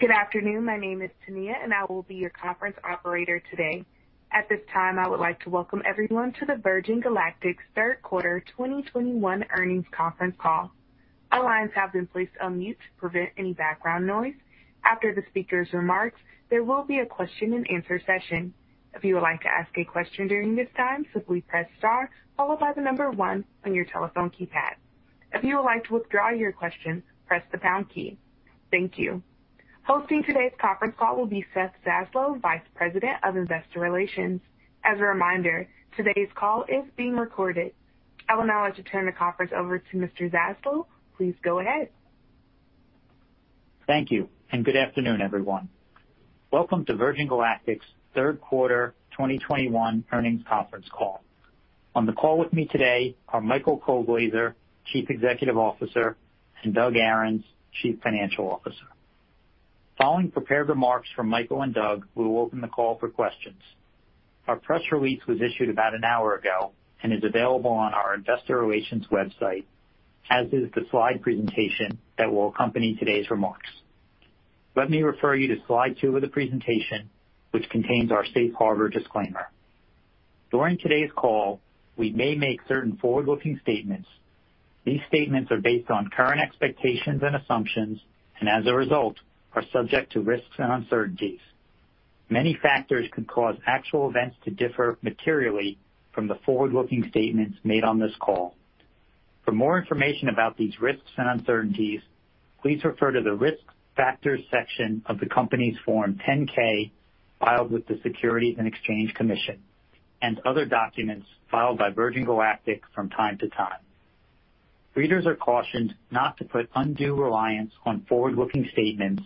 Good afternoon. My name is Tania, and I will be your conference operator today. At this time, I would like to welcome everyone to the Virgin Galactic's Q3 2021 earnings Conference Call. All lines have been placed on mute to prevent any background noise. After the speaker's remarks, there will be a question-and-answer session. If you would like to ask a question during this time, simply press Star followed by 1 on your telephone keypad. If you would like to withdraw your question, press the pound key. Thank you. Hosting today's Conference Call will be Seth Zaslow, Vice President of Investor Relations. As a reminder, today's call is being recorded. I would now like to turn the conference over to Mr. Zaslow. Please go ahead. Thank you, and good afternoon, everyone. Welcome to Virgin Galactic's 3rd quarter 2021 earnings Conference Call. On the call with me today are Michael Colglazier, Chief Executive Officer, and Doug Ahrens, Chief Financial Officer. Following prepared remarks from Michael and Doug, we will open the call for questions. Our press release was issued about an hour ago and is available on our investor relations website, as is the slide presentation that will accompany today's remarks. Let me refer you to slide 2 of the presentation, which contains our safe harbor disclaimer. During today's call, we may make certain forward-looking statements. These statements are based on current expectations and assumptions, and as a result, are subject to risks and uncertainties. Many factors could cause actual events to differ materially from the forward-looking statements made on this call. For more information about these risks and uncertainties, please refer to the Risk Factors section of the company's Form 10-K filed with the Securities and Exchange Commission and other documents filed by Virgin Galactic from time to time. Readers are cautioned not to put undue reliance on forward-looking statements,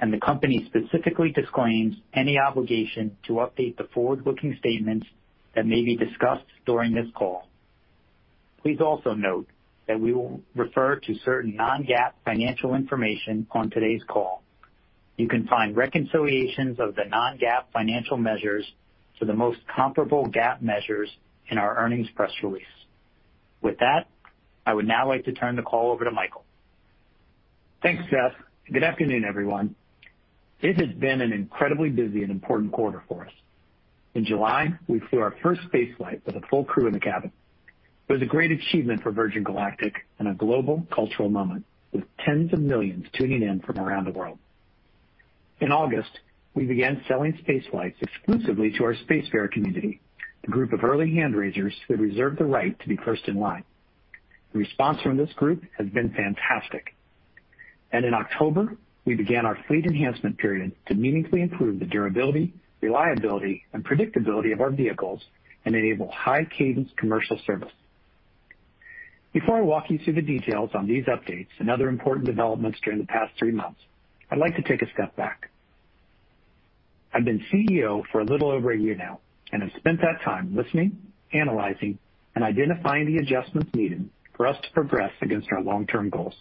and the company specifically disclaims any obligation to update the forward-looking statements that may be discussed during this call. Please also note that we will refer to certain non-GAAP financial information on today's call. You can find reconciliations of the non-GAAP financial measures to the most comparable GAAP measures in our earnings press release. With that, I would now like to turn the call over to Michael. Thanks, Seth. Good afternoon, everyone. This has been an incredibly busy and important quarter for us. In July, we flew our first space flight with a full crew in the cabin. It was a great achievement for Virgin Galactic and a global cultural moment, with tens of millions tuning in from around the world. In August, we began selling space flights exclusively to our Spacefarer community, the group of early hand raisers who reserved the right to be first in line. The response from this group has been fantastic. In October, we began our fleet enhancement period to meaningfully improve the durability, reliability, and predictability of our vehicles and enable high-cadence commercial service. Before I walk you through the details on these updates and other important developments during the past three months, I'd like to take a step back. I've been CEO for a little over a year now and have spent that time listening, analyzing, and identifying the adjustments needed for us to progress against our long-term goals.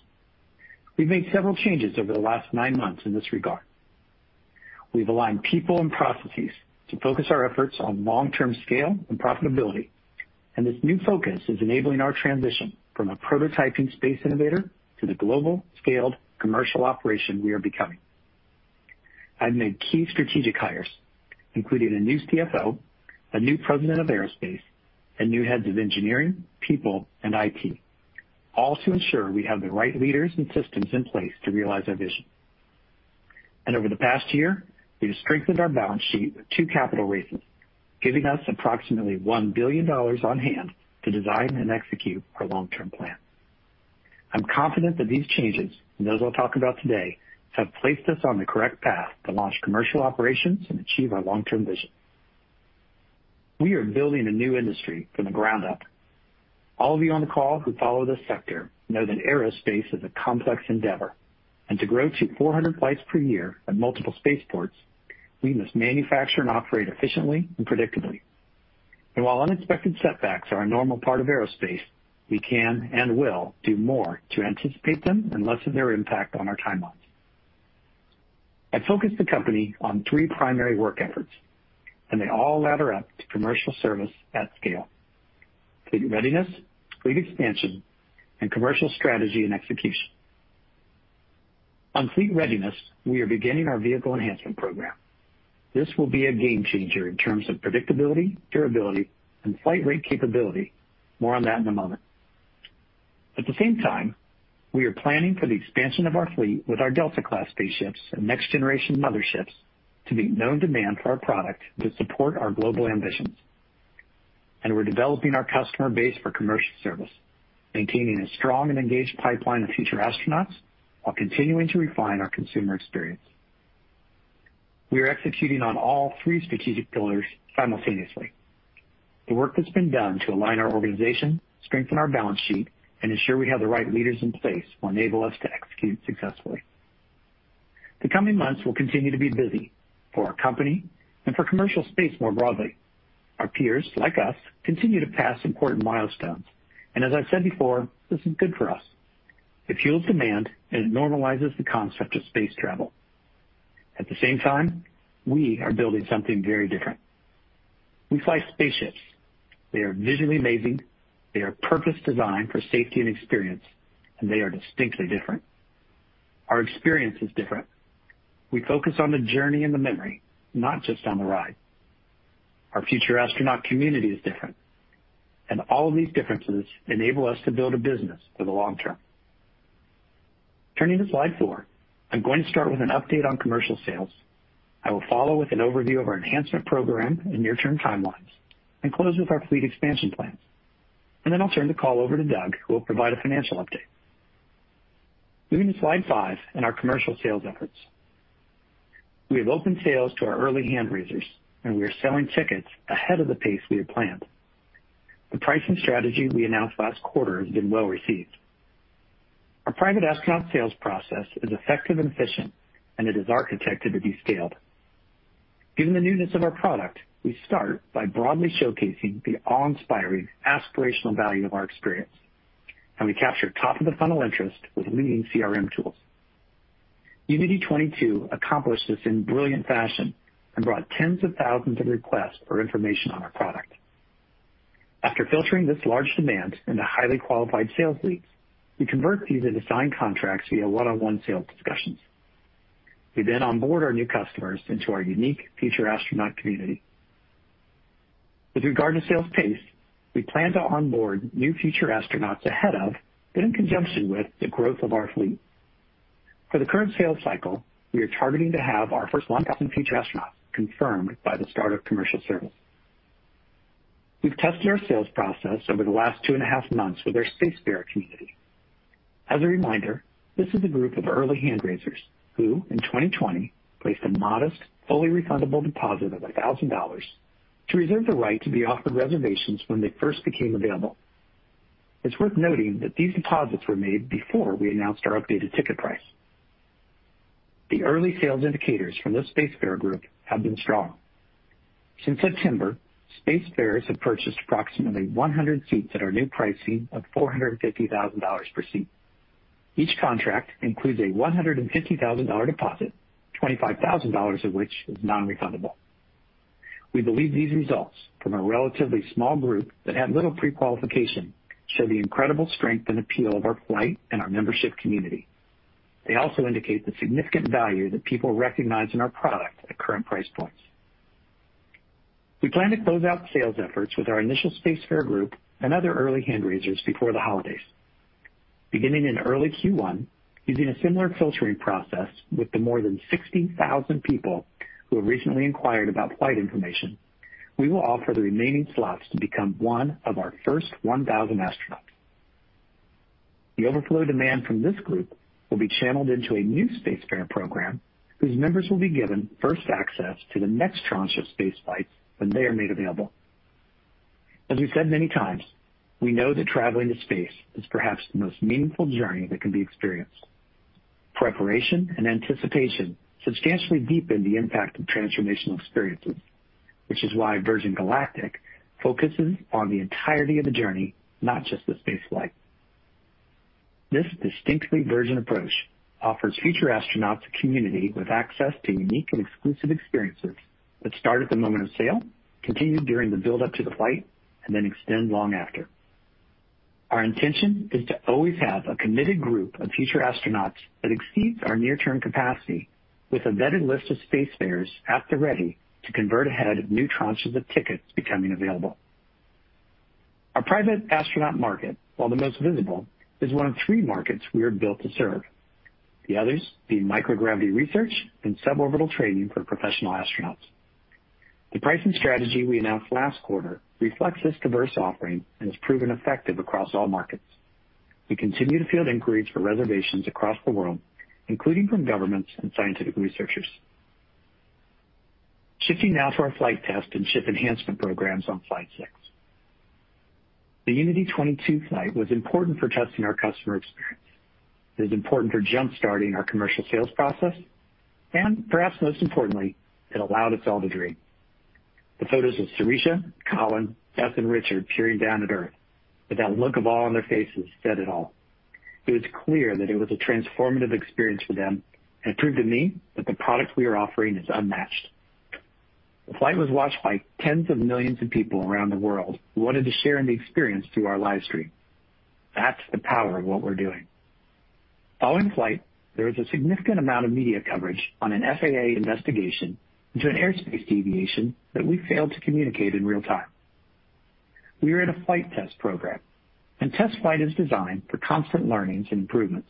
We've made several changes over the last 9 months in this regard. We've aligned people and processes to focus our efforts on long-term scale and profitability. This new focus is enabling our transition from a prototyping space innovator to the global scaled commercial operation we are becoming. I've made key strategic hires, including a new CFO, a new president of aerospace, and new heads of engineering, people, and IT, all to ensure we have the right leaders and systems in place to realize our vision. Over the past year, we have strengthened our balance sheet with 2 capital raises, giving us approximately $1 billion on hand to design and execute our long-term plan. I'm confident that these changes, and those I'll talk about today, have placed us on the correct path to launch commercial operations and achieve our long-term vision. We are building a new industry from the ground up. All of you on the call who follow this sector know that aerospace is a complex endeavor, to grow to 400 flights per year at multiple space ports, we must manufacture and operate efficiently and predictably. While unexpected setbacks are a normal part of aerospace, we can and will do more to anticipate them and lessen their impact on our timelines. I focused the company on 3 primary work efforts, they all ladder up to commercial service at scale: fleet readiness, fleet expansion, and commercial strategy and execution. On fleet readiness, we are beginning our vehicle enhancement program. This will be a game changer in terms of predictability, durability, and flight rate capability. More on that in a moment. At the same time, we are planning for the expansion of our fleet with our Delta-class spaceships and next-generation motherships to meet known demand for our product to support our global ambitions. We're developing our customer base for commercial service, maintaining a strong and engaged pipeline of future astronauts while continuing to refine our consumer experience. We are executing on all three strategic pillars simultaneously. The work that's been done to align our organization, strengthen our balance sheet, and ensure we have the right leaders in place will enable us to execute successfully. The coming months will continue to be busy for our company and for commercial space more broadly. Our peers, like us, continue to pass important milestones. As I've said before, this is good for us. It fuels demand. It normalizes the concept of space travel. At the same time, we are building something very different. We fly spaceships. They are visually amazing. They are purpose designed for safety and experience. They are distinctly different. Our experience is different. We focus on the journey and the memory, not just on the ride. Our future astronaut community is different. All of these differences enable us to build a business for the long-term. Turning to slide four, I'm going to start with an update on commercial sales. I will follow with an overview of our enhancement program and near-term timelines and close with our fleet expansion plans. I'll turn the call over to Doug Ahrens, who will provide a financial update. Moving to slide five and our commercial sales efforts. We have opened sales to our early hand-raisers, and we are selling tickets ahead of the pace we had planned. The pricing strategy we announced last quarter has been well-received. Our private astronaut sales process is effective and efficient, and it is architected to be scaled. Given the newness of our product, we start by broadly showcasing the awe-inspiring aspirational value of our experience, and we capture top-of-the-funnel interest with leading CRM tools. Unity 22 accomplished this in brilliant fashion and brought tens of thousands of requests for information on our product. After filtering this large demand into highly-qualified sales leads, we convert these into signed contracts via one-on-one sales discussions. We onboard our new customers into our unique future astronaut community. With regard to sales pace, we plan to onboard new future astronauts ahead of, but in conjunction with, the growth of our fleet. For the current sales cycle, we are targeting to have our first 1,000 future astronauts confirmed by the start of commercial service. We've tested our sales process over the last 2.5 months with our Spacefarer community. As a reminder, this is a group of early hand-raisers who, in 2020, placed a modest, fully refundable deposit of $1,000 to reserve the right to be offered reservations when they first became available. It's worth noting that these deposits were made before we announced our updated ticket price. The early sales indicators from the Spacefarer group have been strong. Since September, Spacefarers have purchased approximately 100 seats at our new pricing of $450,000 per seat. Each contract includes a $150,000 deposit, $25,000 of which is non-refundable. We believe these results from a relatively small group that had little pre-qualification show the incredible strength and appeal of our flight and our membership community. They also indicate the significant value that people recognize in our product at current price points. We plan to close out sales efforts with our initial Spacefarer group and other early hand-raisers before the holidays. Beginning in early Q1, using a similar filtering process with the more than 60,000 people who have recently inquired about flight information, we will offer the remaining slots to become one of our first 1,000 astronauts. The overflow demand from this group will be channeled into a new Spacefarer program, whose members will be given first access to the next tranche of space flights when they are made available. As we've said many times, we know that traveling to space is perhaps the most meaningful journey that can be experienced. Preparation and anticipation substantially deepen the impact of transformational experiences, which is why Virgin Galactic focuses on the entirety of the journey, not just the spaceflight. This distinctly Virgin approach offers future astronauts a community with access to unique and exclusive experiences that start at the moment of sale, continue during the build-up to the flight, and then extend long after. Our intention is to always have a committed group of future astronauts that exceeds our near-term capacity with a vetted list of Spacefarers at the ready to convert ahead of new tranches of tickets becoming available. Our private astronaut market, while the most visible, is one of three markets we are built to serve, the others being microgravity research and suborbital training for professional astronauts. The pricing strategy we announced last quarter reflects this diverse offering and has proven effective across all markets. We continue to field inquiries for reservations across the world, including from governments and scientific researchers. Shifting now to our flight test and ship enhancement programs on flight six. The Unity 22 flight was important for testing our customer experience. It is important for jump-starting our commercial sales process. Perhaps most importantly, it allowed us all to dream. The photos of Sirisha, Colin, Beth, and Richard peering down at Earth with that look of awe on their faces said it all. It was clear that it was a transformative experience for them and proved to me that the product we are offering is unmatched. The flight was watched by tens of millions of people around the world who wanted to share in the experience through our live stream. That's the power of what we're doing. Following flight, there was a significant amount of media coverage on an FAA investigation into an airspace deviation that we failed to communicate in real time. We are in a flight test program, and test flight is designed for constant learnings and improvements.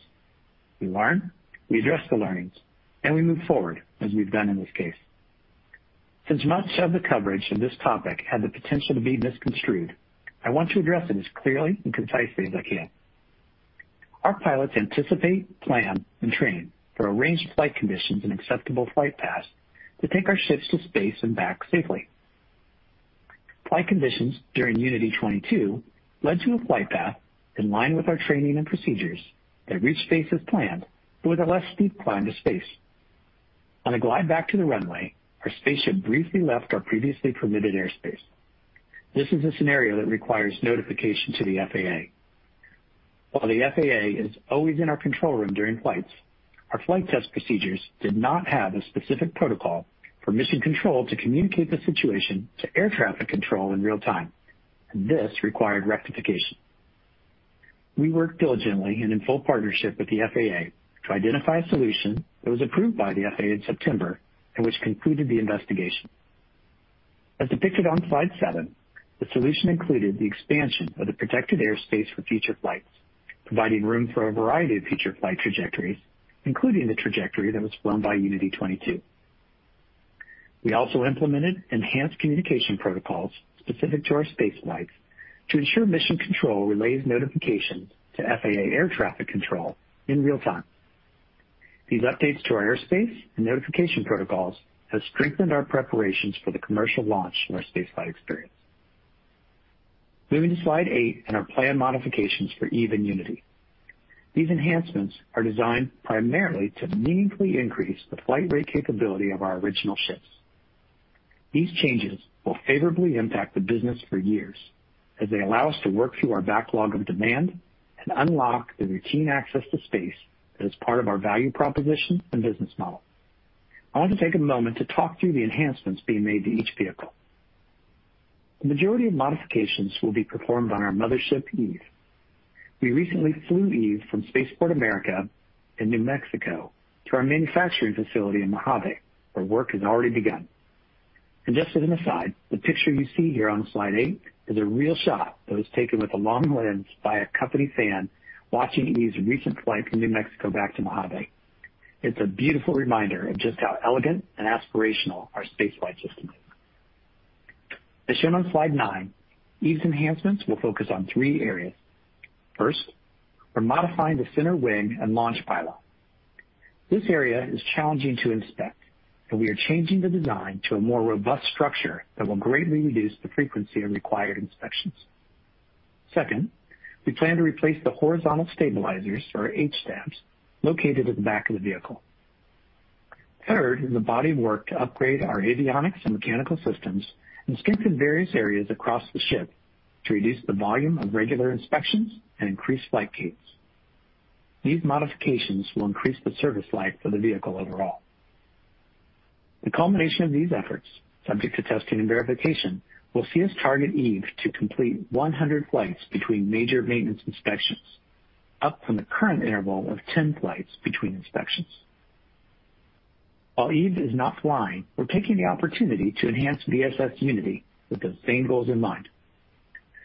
We learn, we address the learnings, and we move forward as we've done in this case. Since much of the coverage of this topic had the potential to be misconstrued, I want to address it as clearly and concisely as I can. Our pilots anticipate, plan, and train for a range of flight conditions and acceptable flight paths to take our ships to space and back safely. Flight conditions during Unity 22 led to a flight path in line with our training and procedures that reached space as planned, but with a less steep climb to space. On a glide back to the runway, our spaceship briefly left our previously permitted airspace. This is a scenario that requires notification to the FAA. While the FAA is always in our control room during flights, our flight test procedures did not have a specific protocol for mission control to communicate the situation to air traffic control in real time. This required rectification. We worked diligently and in full partnership with the FAA to identify a solution that was approved by the FAA in September and which concluded the investigation. As depicted on slide 7, the solution included the expansion of the protected airspace for future flights, providing room for a variety of future flight trajectories, including the trajectory that was flown by Unity 22. We also implemented enhanced communication protocols specific to our spaceflights to ensure mission control relays notifications to FAA air traffic control in real time. These updates to our airspace and notification protocols have strengthened our preparations for the commercial launch of our spaceflight experience. Moving to slide 8 and our planned modifications for Eve and Unity. These enhancements are designed primarily to meaningfully increase the flight rate capability of our original ships. These changes will favorably impact the business for years, as they allow us to work through our backlog of demand and unlock the routine access to space that is part of our value proposition and business model. I want to take a moment to talk through the enhancements being made to each vehicle. The majority of modifications will be performed on our mothership, Eve. We recently flew Eve from Spaceport America in New Mexico to our manufacturing facility in Mojave, where work has already begun. Just as an aside, the picture you see here on slide 8 is a real shot that was taken with a long lens by a company fan watching Eve's recent flight from New Mexico back to Mojave. It's a beautiful reminder of just how elegant and aspirational our space flight system is. As shown on slide 9, Eve's enhancements will focus on three areas. First, we're modifying the center wing and launch pylon. This area is challenging to inspect, and we are changing the design to a more robust structure that will greatly reduce the frequency of required inspections. Second, we plan to replace the horizontal stabilizers or H-Stabs located at the back of the vehicle. Third is a body of work to upgrade our avionics and mechanical systems and strengthen various areas across the ship to reduce the volume of regular inspections and increase flight gates. These modifications will increase the service life of the vehicle overall. The culmination of these efforts, subject to testing and verification, will see us target Eve to complete 100 flights between major maintenance inspections, up from the current interval of 10 flights between inspections. While Eve is not flying, we're taking the opportunity to enhance VSS Unity with those same goals in mind.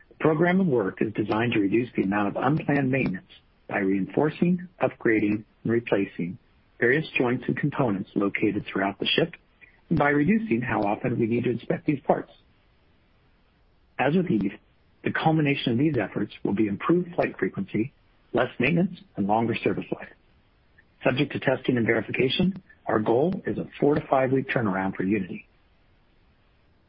The program of work is designed to reduce the amount of unplanned maintenance by reinforcing, upgrading, and replacing various joints and components located throughout the ship and by reducing how often we need to inspect these parts. As with Eve, the culmination of these efforts will be improved flight frequency, less maintenance, and longer service life. Subject to testing and verification, our goal is a 4 to 5-week turnaround for Unity.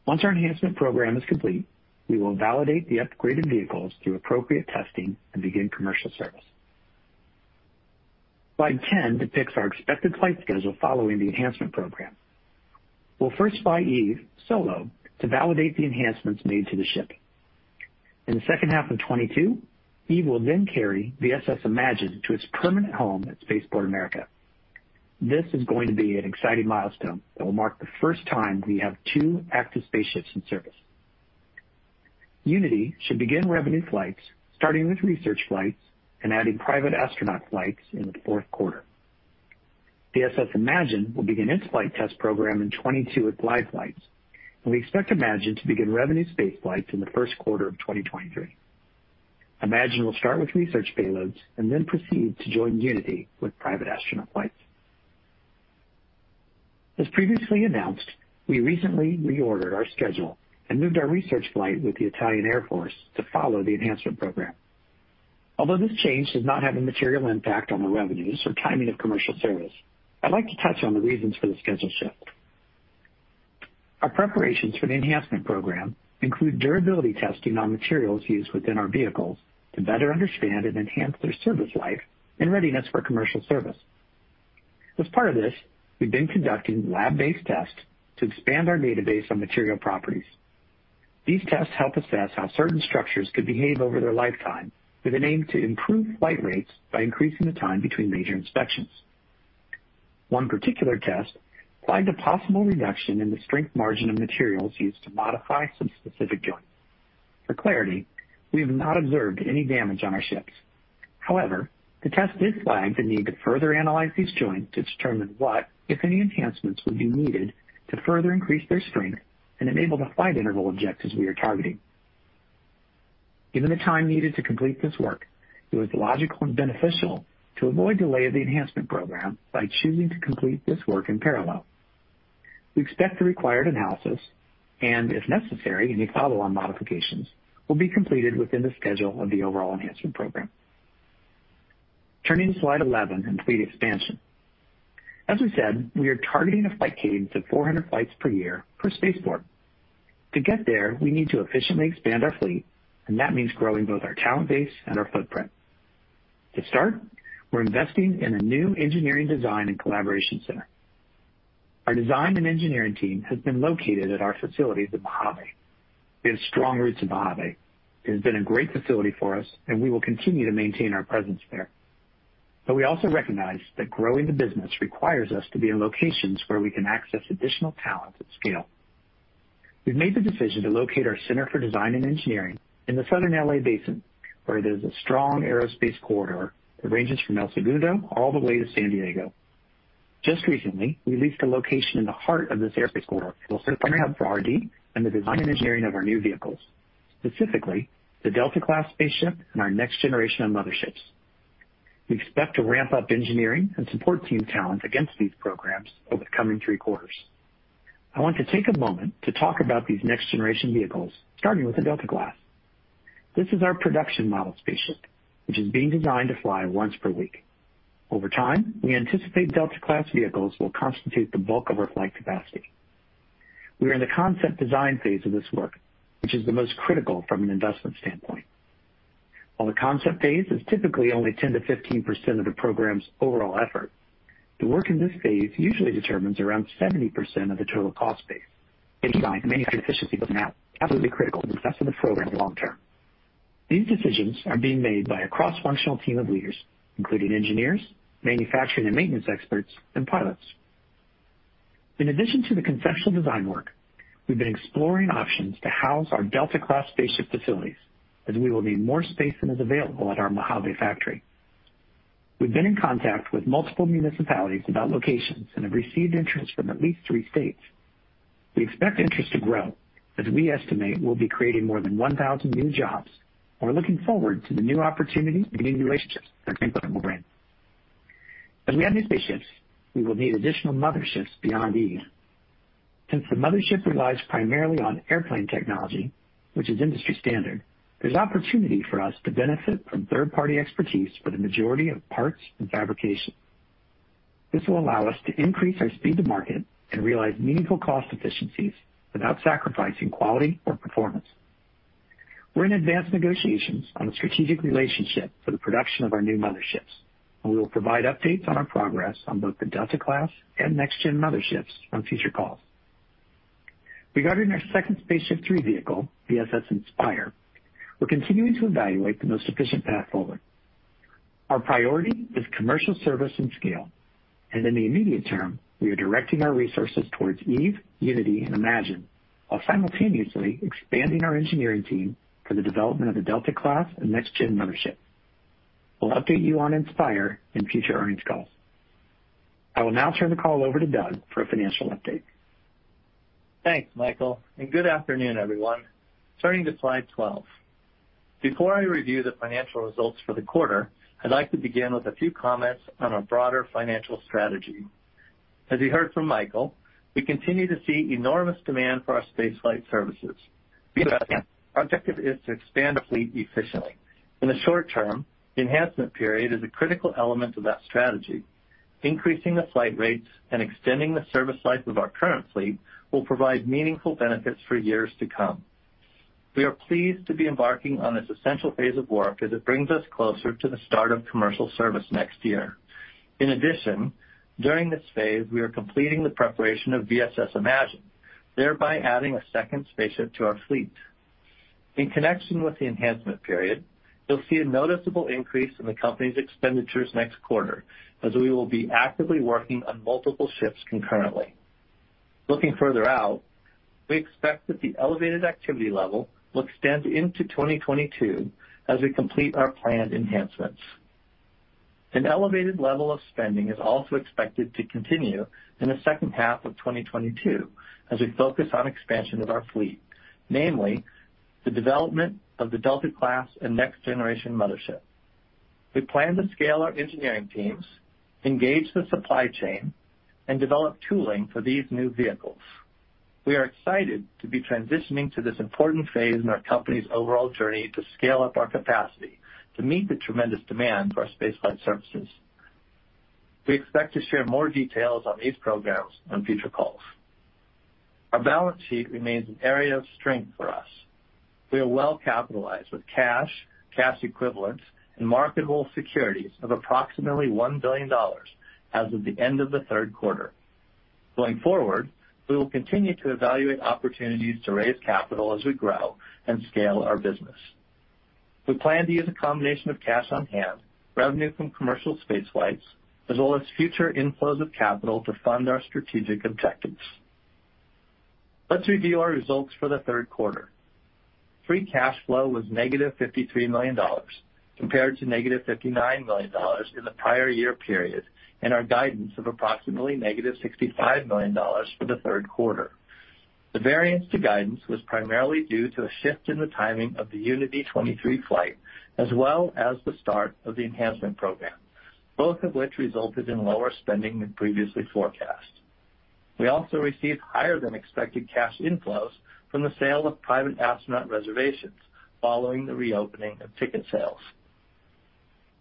Once our enhancement program is complete, we will validate the upgraded vehicles through appropriate testing and begin commercial service. Slide 10 depicts our expected flight schedule following the enhancement program. We'll first fly Eve solo to validate the enhancements made to the ship. In the second half of 2022, Eve will then carry VSS Imagine to its permanent home at Spaceport America. This is going to be an exciting milestone that will mark the first time we have two active spaceships in service. Unity should begin revenue flights, starting with research flights and adding private astronaut flights in the Q4. VSS Imagine will begin its flight test program in 2022 with glide flights, and we expect Imagine to begin revenue space flights in the Q1 of 2023. Imagine will start with research payloads and then proceed to join Unity with private astronaut flights. As previously announced, we recently reordered our schedule and moved our research flight with the Italian Air Force to follow the enhancement program. Although this change does not have a material impact on the revenues or timing of commercial service, I'd like to touch on the reasons for the schedule shift. Our preparations for the enhancement program include durability testing on materials used within our vehicles to better understand and enhance their service life and readiness for commercial service. As part of this, we've been conducting lab-based tests to expand our database on material properties. These tests help assess how certain structures could behave over their lifetime with an aim to improve flight rates by increasing the time between major inspections. One particular test flagged a possible reduction in the strength margin of materials used to modify some specific joints. For clarity, we have not observed any damage on our ships. However, the test did flag the need to further analyze these joints to determine what, if any, enhancements would be needed to further increase their strength and enable the flight interval objectives we are targeting. Given the time needed to complete this work, it was logical and beneficial to avoid delay of the enhancement program by choosing to complete this work in parallel. We expect the required analysis and, if necessary, any follow-on modifications will be completed within the schedule of the overall enhancement program. Turning to slide 11 and fleet expansion. As we said, we are targeting a flight cadence of 400 flights per year per spaceport. To get there, we need to efficiently expand our fleet, and that means growing both our talent base and our footprint. To start, we're investing in a new engineering design and collaboration center. Our design and engineering team has been located at our facilities in Mojave. We have strong roots in Mojave. It has been a great facility for us, and we will continue to maintain our presence there. We also recognize that growing the business requires us to be in locations where we can access additional talent at scale. We've made the decision to locate our center for design and engineering in the Southern L.A. basin, where there's a strong aerospace corridor that ranges from El Segundo all the way to San Diego. Just recently, we leased a location in the heart of this aerospace corridor. It will serve as our hub for R&D and the design and engineering of our new vehicles, specifically the Delta class spaceship and our next generation of motherships. We expect to ramp up engineering and support team talent against these programs over the coming three quarters. I want to take a moment to talk about these next generation vehicles, starting with the Delta class. This is our production model spaceship, which is being designed to fly once per week. Over time, we anticipate Delta class vehicles will constitute the bulk of our flight capacity. We are in the concept design phase of this work, which is the most critical from an investment standpoint. While the concept phase is typically only 10%-15% of the program's overall effort, the work in this phase usually determines around 70% of the total cost base. Getting design and manufacturing efficiency built out is absolutely critical to the success of the program long-term. These decisions are being made by a cross-functional team of leaders, including engineers, manufacturing and maintenance experts, and pilots. In addition to the conceptual design work, we've been exploring options to house our Delta class spaceship facilities, as we will need more space than is available at our Mojave factory. We've been in contact with multiple municipalities about locations and have received interest from at least three states. We expect interest to grow as we estimate we'll be creating more than 1,000 new jobs and are looking forward to the new opportunities and new relationships that are coming from our brand. As we add new spaceships, we will need additional motherships beyond Eve. Since the mothership relies primarily on airplane technology, which is industry standard, there's opportunity for us to benefit from third-party expertise for the majority of parts and fabrication. This will allow us to increase our speed to market and realize meaningful cost efficiencies without sacrificing quality or performance. We're in advanced negotiations on a strategic relationship for the production of our new motherships, and we will provide updates on our progress on both the Delta class and next gen motherships on future calls. Regarding our second SpaceShip III vehicle, VSS Inspire, we're continuing to evaluate the most efficient path forward. Our priority is commercial service and scale. In the immediate term, we are directing our resources towards Eve, Unity, and Imagine, while simultaneously expanding our engineering team for the development of the Delta class and next gen mothership. We'll update you on Inspire in future earnings calls. I will now turn the call over to Doug for a financial update. Thanks, Michael, good afternoon, everyone. Turning to slide 12. Before I review the financial results for the quarter, I'd like to begin with a few comments on our broader financial strategy. As you heard from Michael, we continue to see enormous demand for our spaceflight services. The objective is to expand the fleet efficiently. In the short-term, the enhancement period is a critical element of that strategy. Increasing the flight rates and extending the service life of our current fleet will provide meaningful benefits for years to come. We are pleased to be embarking on this essential phase of work as it brings us closer to the start of commercial service next year. In addition, during this phase, we are completing the preparation of VSS Imagine, thereby adding a second spaceship to our fleet. In connection with the enhancement period, you'll see a noticeable increase in the company's expenditures next quarter as we will be actively working on multiple ships concurrently. Looking further out, we expect that the elevated activity level will extend into 2022 as we complete our planned enhancements. An elevated level of spending is also expected to continue in the second half of 2022 as we focus on expansion of our fleet, namely the development of the Delta class and next generation mothership. We plan to scale our engineering teams, engage the supply chain, and develop tooling for these new vehicles. We are excited to be transitioning to this important phase in our company's overall journey to scale up our capacity to meet the tremendous demand for our space flight services. We expect to share more details on these programs on future calls. Our balance sheet remains an area of strength for us. We are well-capitalized with cash equivalents, and marketable securities of approximately $1 billion as of the end of the Q3. Going forward, we will continue to evaluate opportunities to raise capital as we grow and scale our business. We plan to use a combination of cash on hand, revenue from commercial space flights, as well as future inflows of capital to fund our strategic objectives. Let's review our results for the Q3. Free cash flow was negative $53 million compared to negative $59 million in the prior year period, and our guidance of approximately negative $65 million for the Q3. The variance to guidance was primarily due to a shift in the timing of the Unity 23 flight, as well as the start of the enhancement program, both of which resulted in lower spending than previously forecast. We also received higher than expected cash inflows from the sale of private astronaut reservations following the reopening of ticket sales.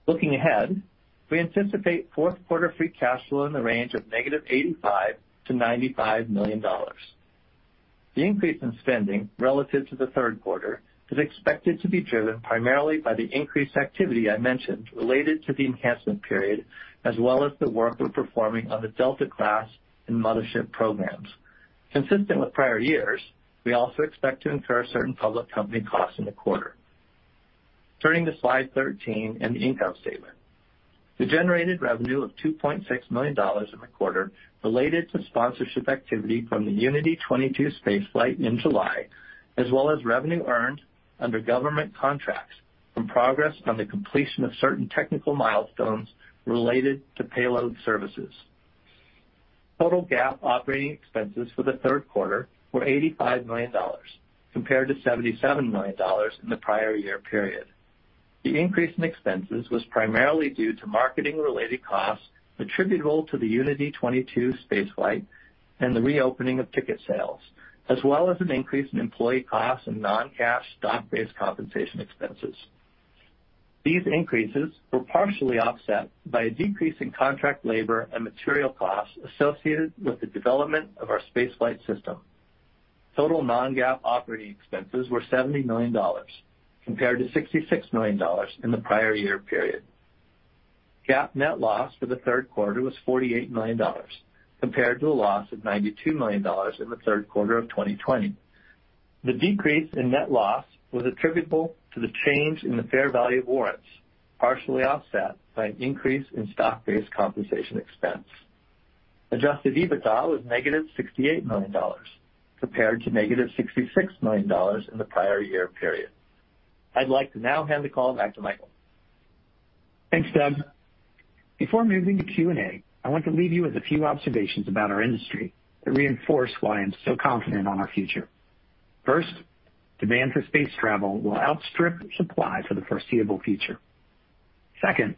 Looking ahead, we anticipate Q4 free cash flow in the range of negative $85 million-$95 million. The increase in spending relative to the Q3 is expected to be driven primarily by the increased activity I mentioned related to the enhancement period, as well as the work we're performing on the Delta class and mothership programs. Consistent with prior years, we also expect to incur certain public company costs in the quarter. Turning to slide 13 and the income statement. We generated revenue of $2.6 million in the quarter related to sponsorship activity from the Unity 22 spaceflight in July, as well as revenue earned under government contracts from progress on the completion of certain technical milestones related to payload services. Total GAAP operating expenses for the Q3 were $85 million compared to $77 million in the prior year period. The increase in expenses was primarily due to marketing-related costs attributable to the Unity 22 spaceflight and the reopening of ticket sales, as well as an increase in employee costs and non-cash stock-based compensation expenses. These increases were partially offset by a decrease in contract labor and material costs associated with the development of our space flight system. Total non-GAAP operating expenses were $70 million compared to $66 million in the prior year period. GAAP net loss for the Q3 was $48 million compared to a loss of $92 million in the Q3 of 2020. The decrease in net loss was attributable to the change in the fair value of warrants, partially offset by an increase in stock-based compensation expense. Adjusted EBITDA was negative $68 million compared to negative $66 million in the prior year period. I'd like to now hand the call back to Michael. Thanks, Doug. Before moving to Q&A, I want to leave you with a few observations about our industry that reinforce why I'm so confident on our future. First, demand for space travel will outstrip supply for the foreseeable future. Second,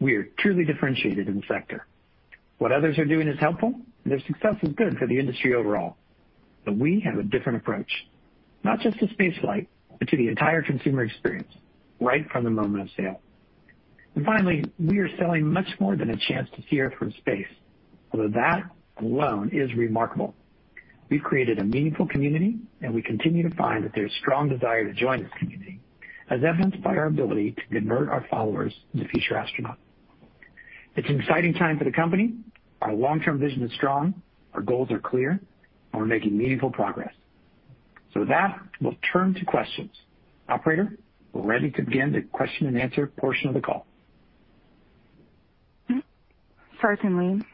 we are truly differentiated in the sector. What others are doing is helpful, and their success is good for the industry overall. We have a different approach, not just to spaceflight, but to the entire consumer experience right from the moment of sale. Finally, we are selling much more than a chance to see Earth from space. Although that alone is remarkable, we've created a meaningful community, and we continue to find that there's strong desire to join this community, as evidenced by our ability to convert our followers into future astronauts. It's an exciting time for the company. Our long-term vision is strong, our goals are clear, and we're making meaningful progress. With that, we'll turn to questions. Operator, we're ready to begin the question and answer portion of the call. Certainly.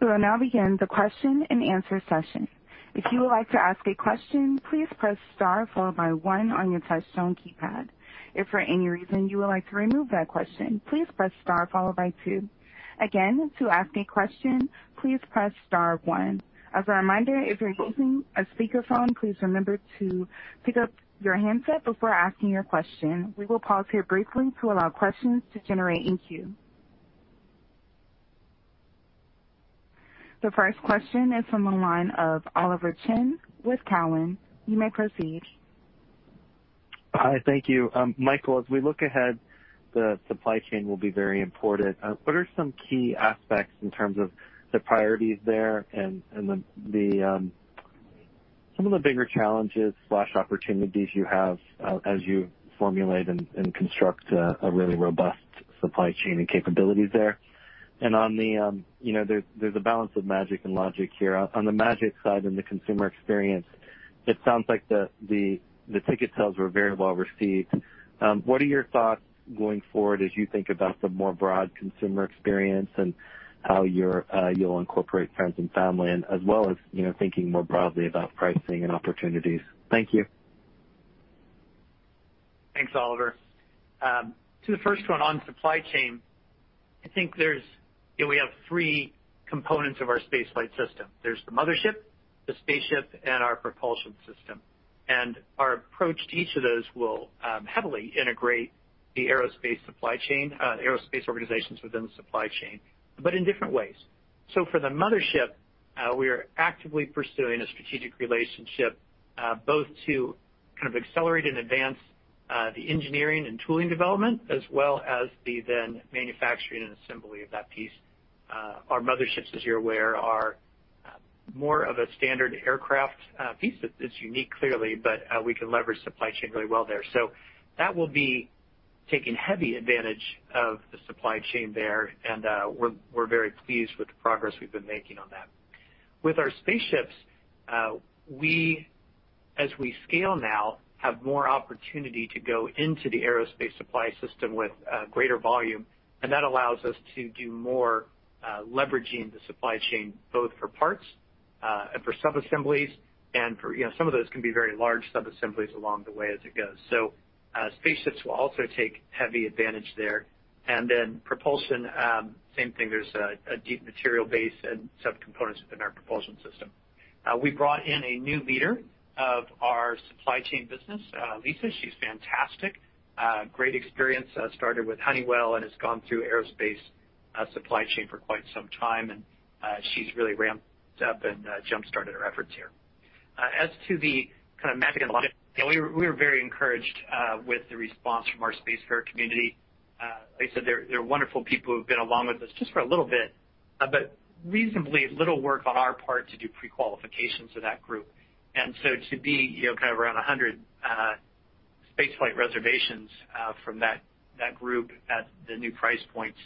We will now begin the question and answer session. If you would like to ask a question, please press star followed by one on your touchtone keypad. If for any reason you would like to remove that question, please press star followed by two. Again, to ask a question, please press star one. As a reminder, if you're using a speakerphone, please remember to pick up your handset before asking your question. We will pause here briefly to allow questions to generate in queue. The first question is from the line of Oliver Chen with Cowen. You may proceed. Hi. Thank you. Michael, as we look ahead, the supply chain will be very important. What are some key aspects in terms of the priorities there and the bigger challenges/opportunities you have, as you formulate and construct a really robust supply chain and capabilities there. On the, you know, there's a balance of magic and logic here. On the magic side, in the consumer experience, it sounds like the ticket sales were very well-received. What are your thoughts going forward as you think about the more broad consumer experience and how you'll incorporate friends and family and as well as, you know, thinking more broadly about pricing and opportunities. Thank you. Thanks, Oliver. To the first one on supply chain, I think we have three components of our space flight system. There's the mothership, the spaceship, and our propulsion system. Our approach to each of those will heavily integrate the aerospace supply chain, aerospace organizations within the supply chain, but in different ways. For the mothership, we are actively pursuing a strategic relationship, both to kind of accelerate and advance the engineering and tooling development as well as the then manufacturing and assembly of that piece. Our motherships, as you're aware, are more of a standard aircraft piece that is unique, clearly, but we can leverage supply chain really well there. That will be taking heavy advantage of the supply chain there. We're very pleased with the progress we've been making on that. With our spaceships, we, as we scale now, have more opportunity to go into the aerospace supply system with greater volume, and that allows us to do more, leveraging the supply chain both for parts, and for sub-assemblies and for, you know, some of those can be very large sub-assemblies along the way as it goes. Spaceships will also take heavy advantage there. Propulsion, same thing. There's a deep material base and subcomponents within our propulsion system. We brought in a new leader of our supply chain business, Lisa. She's fantastic, great experience, started with Honeywell and has gone through aerospace supply chain for quite some time. She's really ramped up and jump-started our efforts here. We were very encouraged with the response from our Spacefarer community. Like I said, they're wonderful people who've been along with us just for a little bit, but reasonably little work on our part to do pre-qualification to that group. To be, you know, kind of around 100 space flight reservations from that group at the new price points,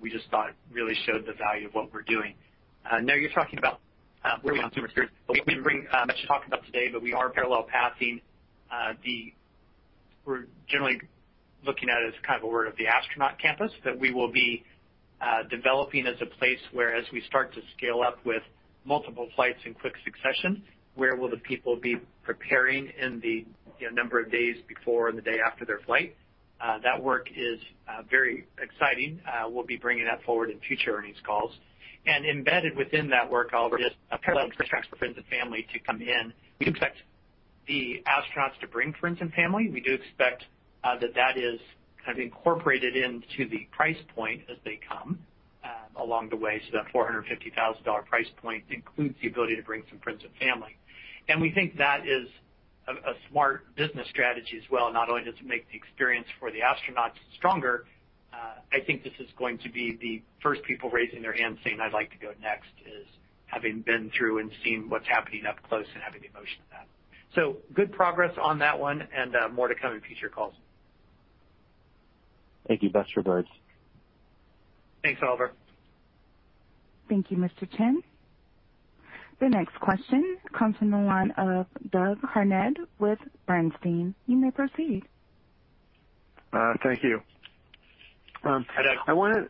we just thought really showed the value of what we're doing. Now you're talking about the consumer experience. As you're talking about today, but we are parallel pathing, we're generally looking at it as kind of a word of the astronaut campus that we will be developing as a place where as we start to scale up with multiple flights in quick succession, where will the people be preparing in the, you know, number of days before and the day after their flight. That work is very exciting. We'll be bringing that forward in future earnings calls. Embedded within that work, Oliver, is a parallel for friends and family to come in. We expect the astronauts to bring friends and family. We do expect that that is kind of incorporated into the price point as they come along the way. That $450,000 price point includes the ability to bring some friends and family. We think that is a smart business strategy as well. Not only does it make the experience for the astronauts stronger, I think this is going to be the first people raising their hands saying, "I'd like to go next," is having been through and seen what's happening up close and having the emotion of that. Good progress on that one and more to come in future calls. Thank you. Best regards. Thanks, Oliver. Thank you, Mr. Chen. The next question comes from the line of Doug Harned with Bernstein. You may proceed. Thank you. Hi, Doug.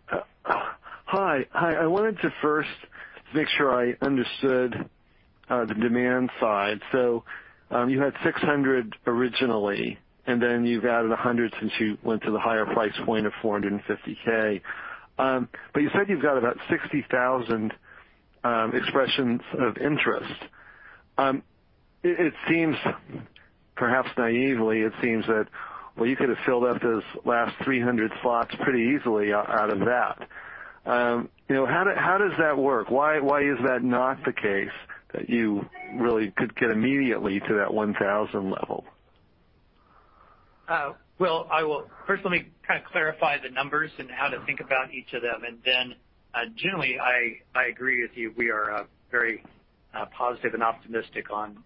Hi. Hi. I wanted to first make sure I understood the demand side. You had 600 originally, and then you've added 100 since you went to the higher price point of $450K. You said you've got about 60,000 expressions of interest. It, it seems, perhaps naively, it seems that, well, you could have filled up those last 300 slots pretty easily out of that. You know, how does that work? Why is that not the case that you really could get immediately to that 1,000 level? Well, first, let me kind of clarify the numbers and how to think about each of them. Generally, I agree with you. We are very positive and optimistic on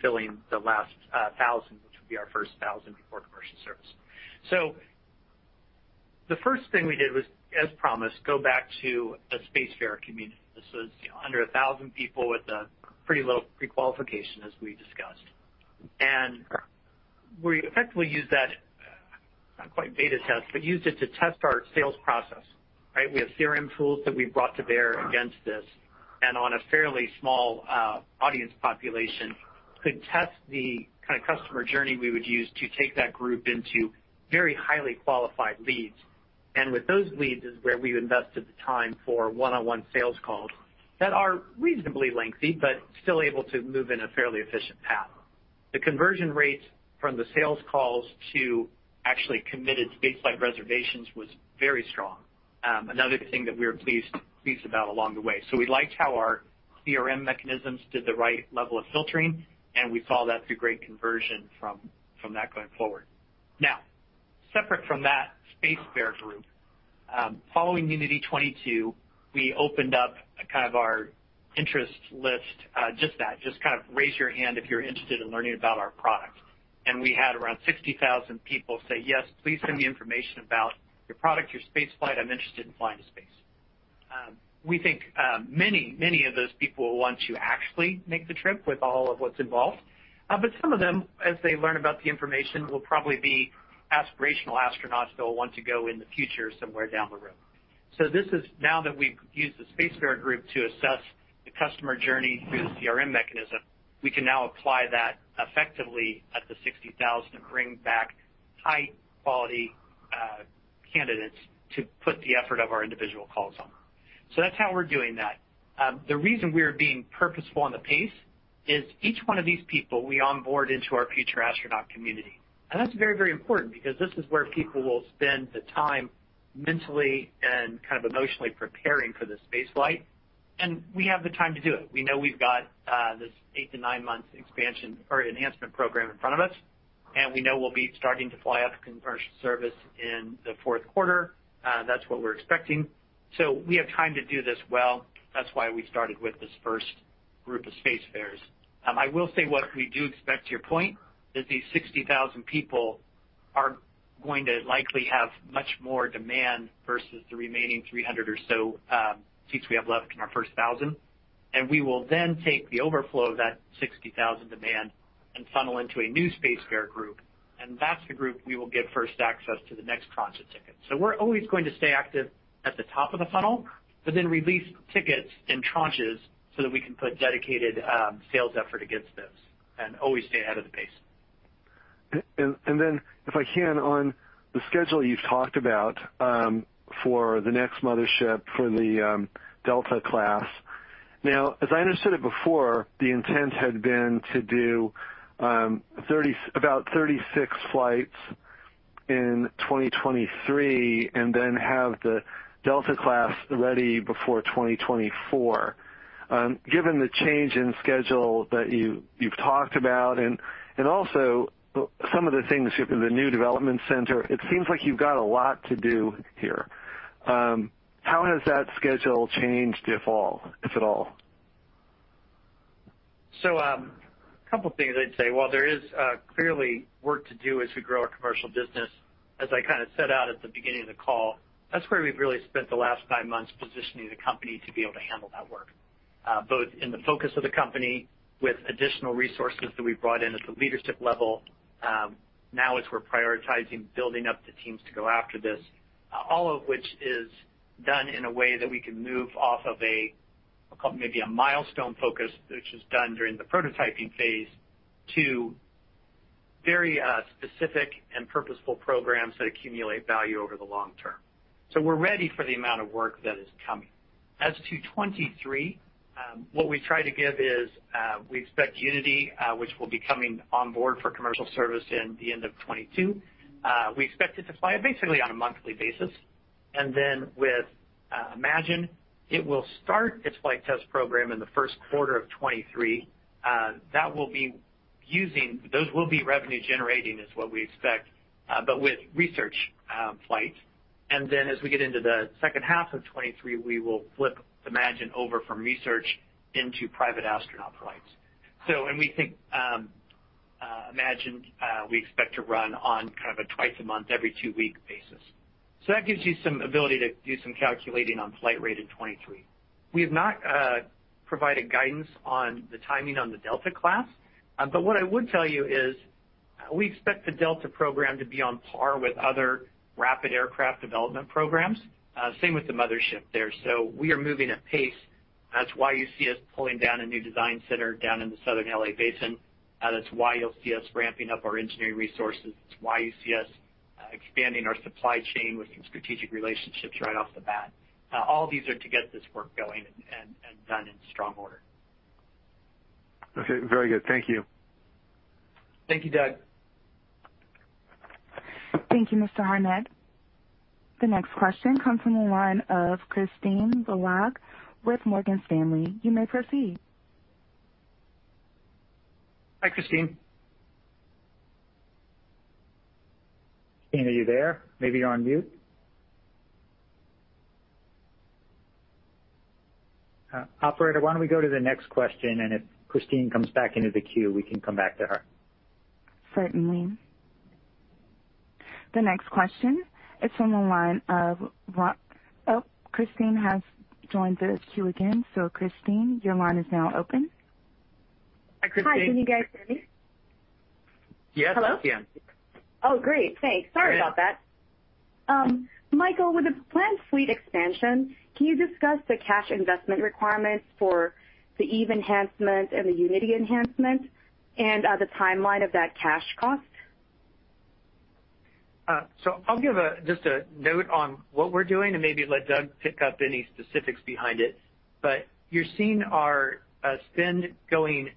filling the last 1,000, which will be our first 1,000 before commercial service. The first thing we did was, as promised, go back to the Spacefarer community. This was, you know, under 1,000 people with a pretty low prequalification as we discussed. We effectively used that, not quite beta test, but used it to test our sales process, right? We have CRM tools that we brought to bear against this, and on a fairly small audience population, could test the kind of customer journey we would use to take that group into very highly-qualified leads. With those leads is where we invested the time for one-on-one sales calls that are reasonably lengthy, but still able to move in a fairly efficient path. The conversion rates from the sales calls to actually committed spaceflight reservations was very strong, another thing that we were pleased about along the way. We liked how our CRM mechanisms did the right level of filtering, and we saw that through great conversion from that going forward. Now, separate from that Spacefarer group, following Unity 22, we opened up kind of our interest list, just that. Just kind of raise your hand if you're interested in learning about our product. We had around 60,000 people say, "Yes, please send me information about your product, your spaceflight. I'm interested in flying to space." We think, many of those people want to actually make the trip with all of what's involved. Some of them, as they learn about the information, will probably be aspirational astronauts that will want to go in the future somewhere down the road. This is now that we've used the Spacefarer group to assess the customer journey through the CRM mechanism, we can now apply that effectively at the 60,000 and bring back high-quality candidates to put the effort of our individual calls on. That's how we're doing that. The reason we are being purposeful on the pace is each one of these people we onboard into our Future Astronaut Community. That's very, very important because this is where people will spend the time mentally and kind of emotionally preparing for the spaceflight, and we have the time to do it. We know we've got this 8 to 9 months expansion or enhancement program in front of us, and we know we'll be starting to fly up commercial service in the Q4. That's what we're expecting. So we have time to do this well. That's why we started with this first group of Spacefarers. I will say what we do expect, to your point, is these 60,000 people are going to likely have much more demand versus the remaining 300 or so seats we have left in our first 1,000. We will then take the overflow of that 60,000 demand and funnel into a new Spacefarer group, and that's the group we will give first access to the next tranche of tickets. We're always going to stay active at the top of the funnel, but then release tickets in tranches so that we can put dedicated sales effort against this and always stay ahead of the pace. If I can, on the schedule you've talked about, for the next mothership for the Delta class. Now, as I understood it before, the intent had been to do, about 36 flights. In 2023, then have the Delta class ready before 2024. Given the change in schedule that you've talked about, also some of the things, the new development center, it seems like you've got a lot to do here. How has that schedule changed, if at all? A couple of things I'd say. While there is clearly work to do as we grow our commercial business, as I kind of set out at the beginning of the call, that's where we've really spent the last nine months positioning the company to be able to handle that work. Both in the focus of the company with additional resources that we've brought in at the leadership level. Now as we're prioritizing building up the teams to go after this, all of which is done in a way that we can move off of a, maybe a milestone focus which is done during the prototyping phase, to very specific and purposeful programs that accumulate value over the long-term. We're ready for the amount of work that is coming. As to 2023, what we try to give is, we expect Unity, which will be coming on board for commercial service in the end of 2022. We expect it to fly basically on a monthly basis. With Imagine, it will start its flight test program in the Q1 of 2023. That will be revenue generating is what we expect, but with research flights. As we get into the second half of 2023, we will flip Imagine over from research into private astronaut flights. We think Imagine, we expect to run on kind of a twice a month, every two-week basis. That gives you some ability to do some calculating on flight rate in 2023. We have not provided guidance on the timing on the Delta class. What I would tell you is we expect the Delta program to be on par with other rapid aircraft development programs. Same with the mothership there. We are moving at pace. That's why you see us pulling down a new design center down in the Southern L.A. basin. That's why you'll see us ramping up our engineering resources. That's why you see us expanding our supply chain with some strategic relationships right off the bat. All these are to get this work going and done in strong order. Okay, very good. Thank you. Thank you, Doug. Thank you, Mr. Harned. The next question comes from the line of Kristine Liwag with Morgan Stanley. You may proceed. Hi, Kristine. Kristine, are you there? Maybe you're on mute. Operator, why don't we go to the next question. If Kristine comes back into the queue, we can come back to her. Certainly. The next question is from the line of. Oh, Kristine has joined the queue again. Kristine, your line is now open. Hi, Kristine. Hi. Can you guys hear me? Yes, I can. Hello? Oh, great. Thanks. Sorry about that. Michael, with the planned fleet expansion, can you discuss the cash investment requirements for the Eve enhancement and the Unity enhancement and the timeline of that cash cost? I'll give just a note on what we're doing and maybe let Doug pick up any specifics behind it. You're seeing our spend going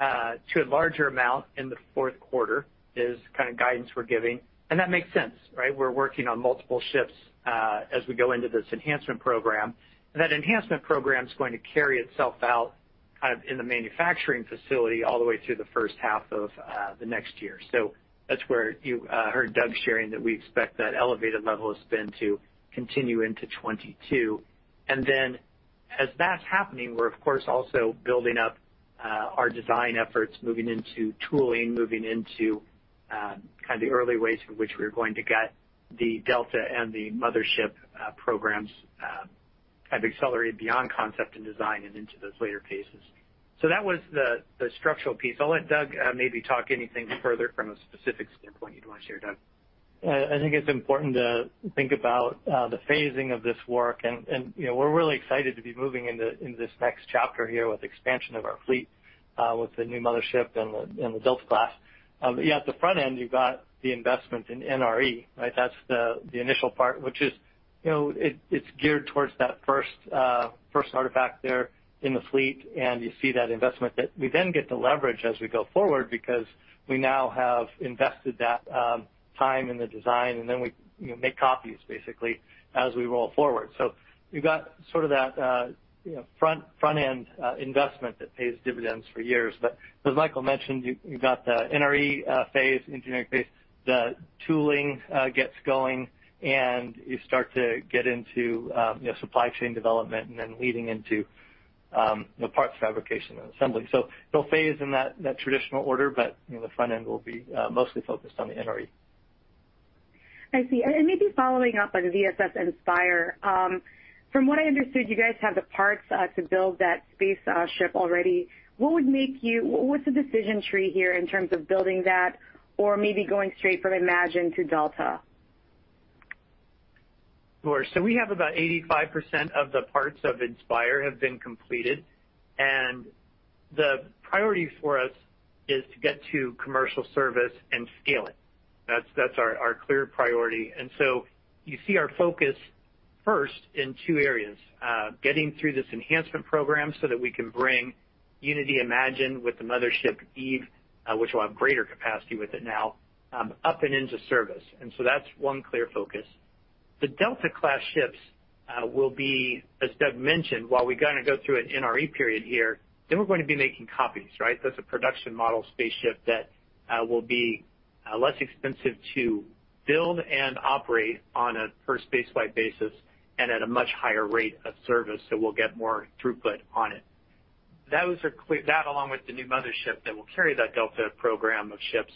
to a larger amount in the Q4, is kind of guidance we're giving. That makes sense, right? We're working on multiple shifts as we go into this enhancement program. That enhancement program is going to carry itself out kind of in the manufacturing facility all the way through the first half of the next year. That's where you heard Doug sharing that we expect that elevated level of spend to continue into 2022. As that's happening, we're of course also building up, our design efforts, moving into tooling, moving into, kind of the early ways in which we're going to get the Delta and the Mothership, programs, kind of accelerated beyond concept and design and into those later phases. That was the structural piece. I'll let Doug, maybe talk anything further from a specific standpoint you'd want to share, Doug. I think it's important to think about the phasing of this work, and, you know, we're really excited to be moving in this next chapter here with expansion of our fleet, with the new mothership and the Delta class. Yeah, at the front end, you've got the investment in NRE, right? That's the initial part, which is, you know, it's geared towards that first artifact there in the fleet, and you see that investment that we then get to leverage as we go forward because we now have invested that time in the design, and then we, you know, make copies basically as we roll forward. You've got sort of that, you know, front-end investment that pays dividends for years. As Michael mentioned, you've got the NRE phase, engineering phase. The tooling, gets going, you start to get into, you know, supply chain development and then leading into, the parts fabrication and assembly. It'll phase in that traditional order, but, you know, the front end will be mostly focused on the NRE. I see. Maybe following-up on VSS Inspire. From what I understood, you guys have the parts to build that space ship already. What's the decision tree here in terms of building that or maybe going straight from Imagine to Delta? Sure. We have about 85% of the parts of Inspire have been completed, and the priority for us is to get to commercial service and scale it. That's our clear priority. You see our focus first, in 2 areas, getting through this enhancement program so that we can bring Unity Imagine with the mothership Eve, which will have greater capacity with it now, up and into service. That's one clear focus. The Delta class ships will be, as Doug mentioned, while we're gonna go through an NRE period here, we're going to be making copies, right? That's a production model spaceship that will be less expensive to build and operate on a per space flight basis and at a much higher rate of service. We'll get more throughput on it. That along with the new mothership that will carry that Delta program of ships,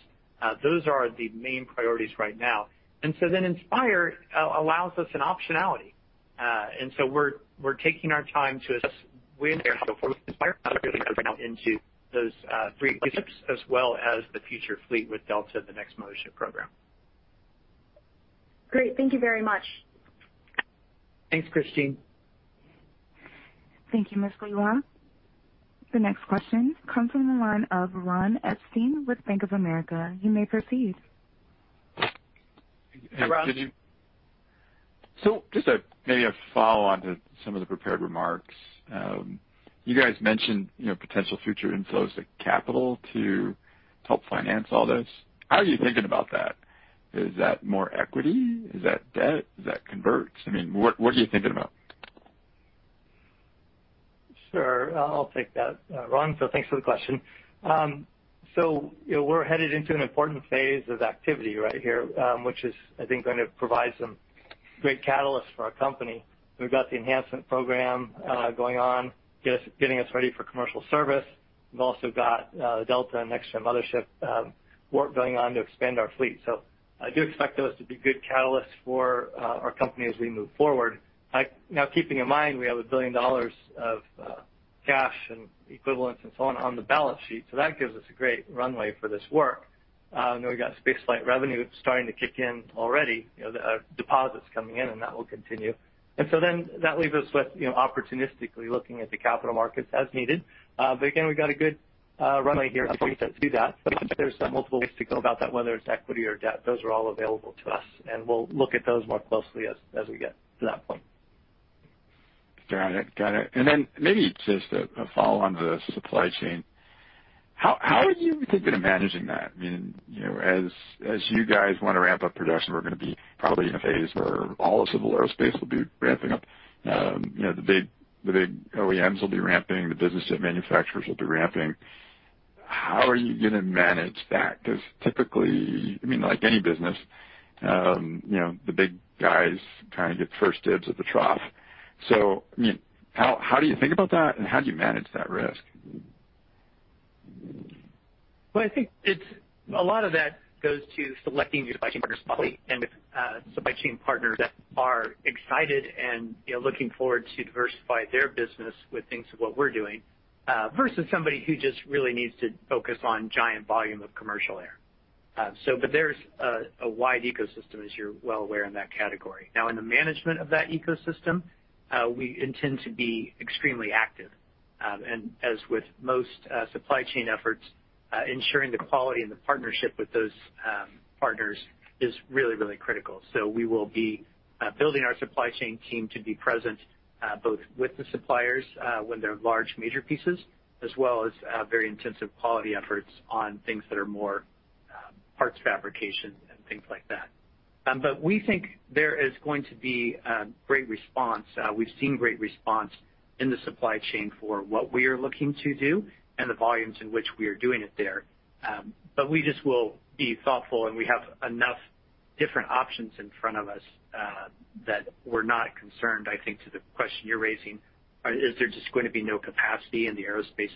those are the main priorities right now. Inspire allows us an optionality. We're taking our time to assess as well as the future fleet with Delta, the next mothership program. Great. Thank you very much. Thanks, Kristine. Thank you, Ms. Liwag. The next question comes from the line of Ron Epstein with Bank of America. You may proceed. Hey, Ron. Just a, maybe a follow-on to some of the prepared remarks. You guys mentioned, you know, potential future inflows of capital to help finance all this. How are you thinking about that? Is that more equity? Is that debt? Is that converts? I mean, what are you thinking about? Sure. I'll take that, Ron. Thanks for the question. You know, we're headed into an important phase of activity right here, which is, I think, gonna provide some great catalysts for our company. We've got the enhancement program going on, getting us ready for commercial service. We've also got the Delta next-gen mothership work going on to expand our fleet. I do expect those to be good catalysts for our company as we move forward. Now, keeping in mind, we have $1 billion of cash and equivalents and so on the balance sheet, so that gives us a great runway for this work. We've got space flight revenue starting to kick in already, you know, the deposits coming in, and that will continue. That leaves us with, you know, opportunistically looking at the capital markets as needed. Again, we've got a good runway here to do that. There's multiple ways to go about that, whether it's equity or debt. Those are all available to us, and we'll look at those more closely as we get to that point. Got it. Got it. Maybe just a follow-on to the supply chain. How are you thinking of managing that? I mean, you know, as you guys wanna ramp up production, we're gonna be probably in a phase where all of civil aerospace will be ramping up. You know, the big OEMs will be ramping. The business jet manufacturers will be ramping. How are you gonna manage that? 'Cause typically, I mean, like any business, you know, the big guys kinda get first dibs at the trough. I mean, how do you think about that, and how do you manage that risk? I think a lot of that goes to selecting your supply chain partners properly and with supply chain partners that are excited and, you know, looking forward to diversify their business with things of what we're doing versus somebody who just really needs to focus on giant volume of commercial air. But there's a wide ecosystem, as you're well aware, in that category. Now, in the management of that ecosystem, we intend to be extremely active. As with most supply chain efforts, ensuring the quality and the partnership with those partners is really, really critical. We will be building our supply chain team to be present, both with the suppliers, when they're large major pieces, as well as very intensive quality efforts on things that are more parts fabrication and things like that. We think there is going to be a great response. We've seen great response in the supply chain for what we are looking to do and the volumes in which we are doing it there. We just will be thoughtful, and we have enough different options in front of us that we're not concerned. I think to the question you're raising, is there just going to be no capacity in the aerospace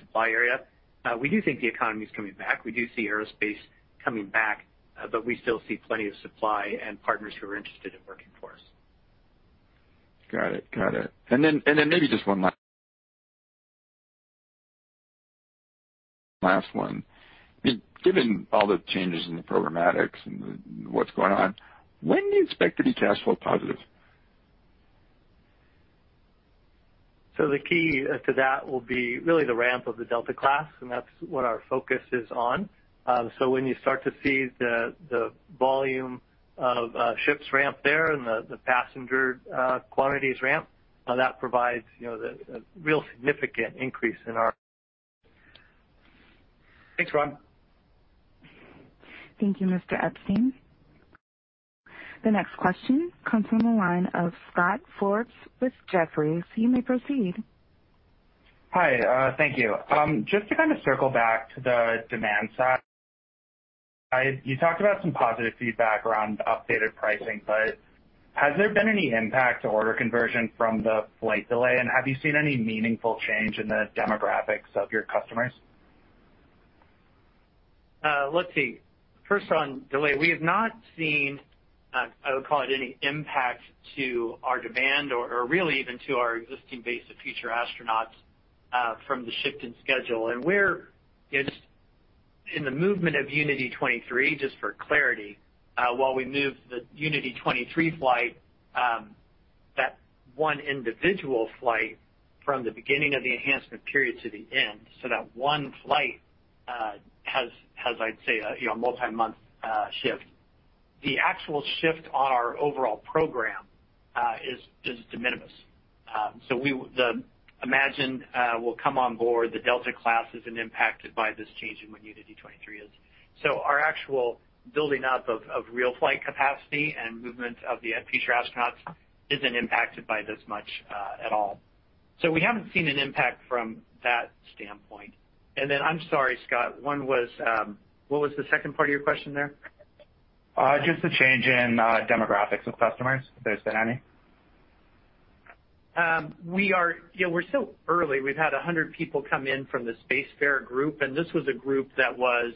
supply area? We do think the economy is coming back. We do see aerospace coming back. We still see plenty of supply and partners who are interested in working for us. Got it. Then maybe just one last one. I mean given all the changes in the programmatics and what's going on, when do you expect to be cash flow positive? The key to that will be really the ramp of the Delta class, and that's what our focus is on. When you start to see the volume of ships ramp there and the passenger quantities ramp, that provides, you know, a real significant increase in our- Thanks, Ron. Thank you, Mr. Epstein. The next question comes from the line of Scott Forbes with Jefferies. You may proceed. Hi. thank you. just to kind of circle back to the demand side. You talked about some positive feedback around updated pricing, but has there been any impact to order conversion from the flight delay, and have you seen any meaningful change in the demographics of your customers? Let's see. First on delay. We have not seen, I would call it any impact to our demand or really even to our existing base of future astronauts from the shift in schedule. We're just in the movement of Unity 23, just for clarity, while we move the Unity 23 flight, 1 individual flight from the beginning of the enhancement period to the end, so that 1 flight has, I'd say, a, you know, multi-month shift. The actual shift on our overall program is de minimis. Imagine, we'll come on board the Delta class isn't impacted by this change in when Unity 23 is. Our actual building up of real flight capacity and movement of the future astronauts isn't impacted by this much at all. We haven't seen an impact from that standpoint. I'm sorry, Scott, one was. What was the second part of your question there? Just the change in demographics of customers, if there's been any? You know, we're still early. We've had 100 people come in from the Spacefarer group, and this was a group that was,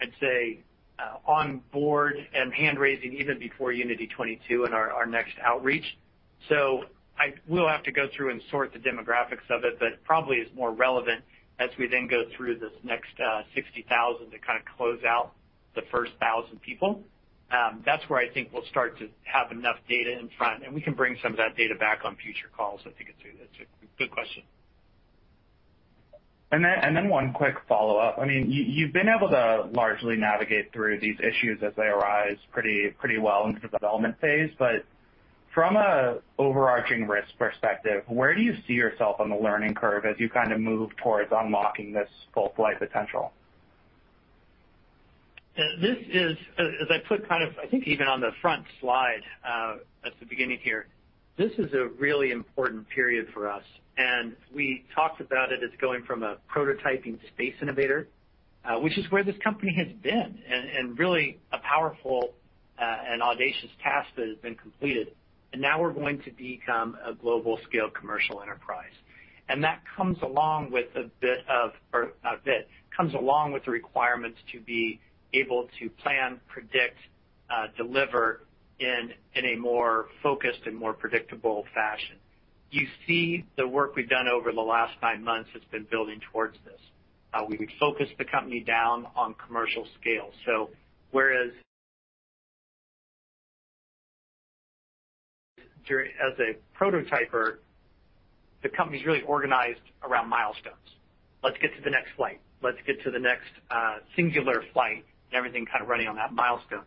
I'd say, on board and hand-raising even before Unity 22 and our next outreach. We'll have to go through and sort the demographics of it, but probably is more relevant as we then go through this next 60,000 to kind of close out the first 1,000 people. That's where I think we'll start to have enough data in front, and we can bring some of that data back on future calls. I think it's a good question. One quick follow-up. I mean, you've been able to largely navigate through these issues as they arise pretty well in the development phase, but from a overarching risk perspective, where do you see yourself on the learning curve as you kind of move towards unlocking this full flight potential? This is, as I put kind of, I think, even on the front slide, at the beginning here, this is a really important period for us, and we talked about it as going from a prototyping space innovator, which is where this company has been and really a powerful and audacious task that has been completed. Now we're going to become a global scale commercial enterprise. That comes along with the requirements to be able to plan, predict, deliver in a more focused and more predictable fashion. You see the work we've done over the last nine months has been building towards this. We've focused the company down on commercial scale. Whereas as a prototyper, the company's really organized around milestones. Let's get to the next flight. Let's get to the next singular flight, and everything kind of running on that milestone.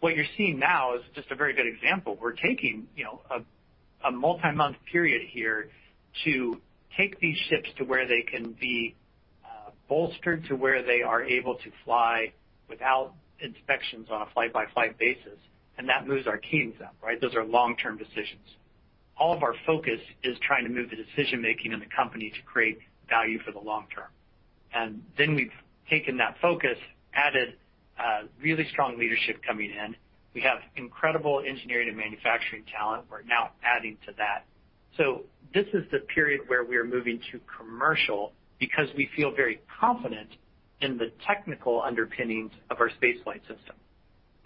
What you're seeing now is just a very good example. We're taking, you know, a multi-month period here to take these ships to where they can be bolstered to where they are able to fly without inspections on a flight-by-flight basis, and that moves our keyings up, right? Those are long-term decisions. All of our focus is trying to move the decision-making in the company to create value for the long-term. We've taken that focus, added really strong leadership coming in. We have incredible engineering and manufacturing talent. We're now adding to that. This is the period where we're moving to commercial because we feel very confident in the technical underpinnings of our space flight system.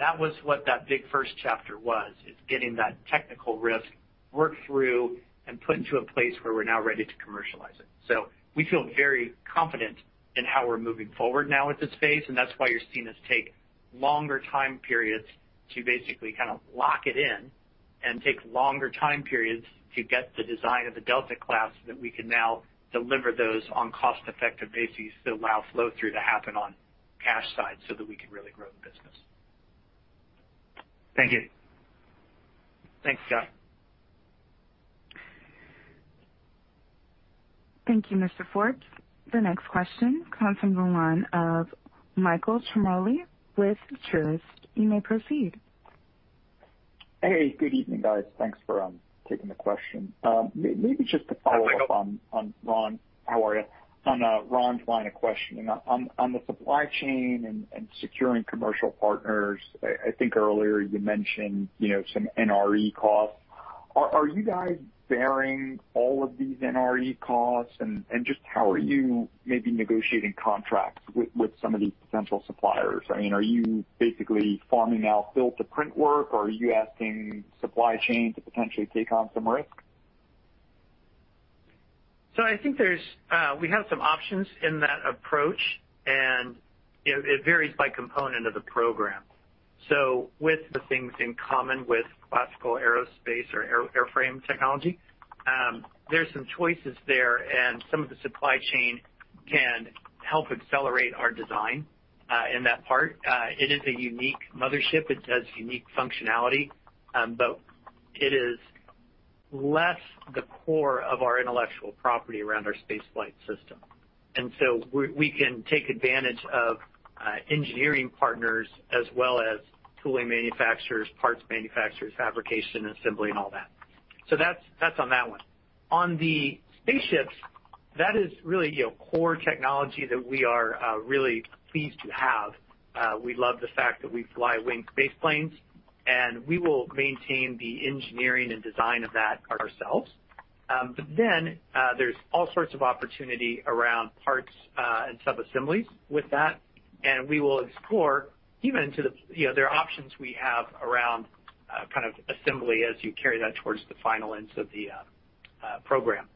That was what that big first chapter was, is getting that technical risk worked through and put into a place where we're now ready to commercialize it. We feel very confident in how we're moving forward now with this phase, and that's why you're seeing us take longer time periods to basically kind of lock it in and take longer time periods to get the design of the Delta class that we can now deliver those on cost-effective bases to allow flow through to happen on cash side so that we can really grow the business. Thank you. Thanks, Scott. Thank you, Mr. Forbes. The next question comes from the line of Michael Ciarmoli with Truist. You may proceed. Hey, good evening, guys. Thanks for taking the question. Maybe just to follow-up on- Hi, Michael. On Ron. How are you? On Ron's line of questioning. On the supply chain and securing commercial partners, I think earlier you mentioned, you know, some NRE costs. Are you guys bearing all of these NRE costs? Just how are you maybe negotiating contracts with some of these potential suppliers? I mean, are you basically farming out build to print work, or are you asking supply chain to potentially take on some risk? I think we have some options in that approach, and it varies by component of the program. With the things in common with classical aerospace or airframe technology, there's some choices there, and some of the supply chain can help accelerate our design in that part. It is a unique mothership. It has unique functionality, it is less the core of our intellectual property around our space flight system. We can take advantage of engineering partners as well as tooling manufacturers, parts manufacturers, fabrication, assembly, and all that. That's on that one. On the spaceships, that is really, you know, core technology that we are really pleased to have. We love the fact that we fly winged space planes, we will maintain the engineering and design of that ourselves. There's all sorts of opportunity around parts, and sub-assemblies with that. You know, there are options we have around kind of assembly as you carry that towards the final ends of the program.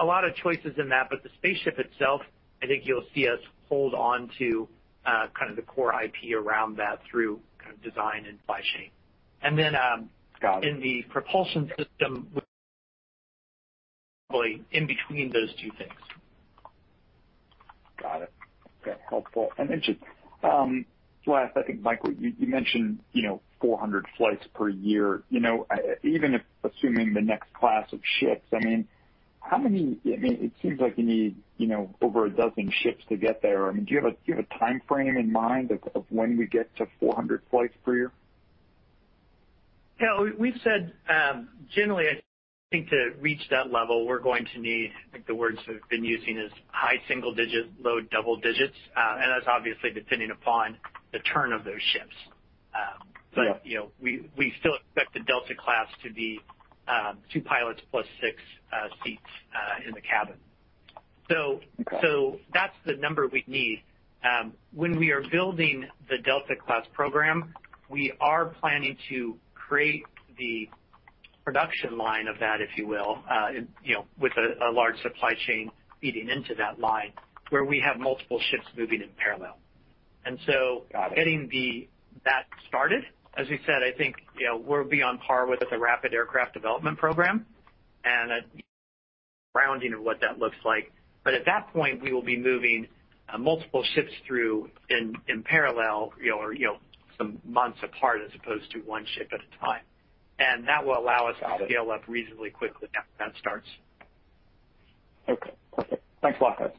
A lot of choices in that, but the spaceship itself, I think you'll see us hold on to, kind of the core IP around that through kind of design and supply chain. Got it. In the propulsion system, in between those two things. Got it. Okay. Helpful. Last, I think, Michael, you mentioned, you know, 400 flights per year. You know, even if assuming the next class of ships, I mean, it seems like you need, you know, over 12 ships to get there. I mean, do you have a, do you have a timeframe in mind of when we get to 400 flights per year? Yeah, we've said, generally, I think to reach that level, we're going to need, I think the words we've been using is high single-digit, low double-digits, and that's obviously depending upon the turn of those ships. Yeah. You know, we still expect the Delta class to be 2 pilots plus 6 seats in the cabin. Okay. That's the number we'd need. When we are building the Delta class program, we are planning to create the production line of that, if you will, you know, with a large supply chain feeding into that line where we have multiple ships moving in parallel. Got it. Getting that started, as we said, I think, you know, we'll be on par with the rapid aircraft development program and a grounding of what that looks like. At that point, we will be moving multiple ships through in parallel, you know, or, you know, some months apart as opposed to one ship at a time. That will allow us Got it. To scale up reasonably quickly after that starts. Okay. Perfect. Thanks a lot, guys.